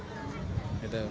apa kemampuan tni sekarang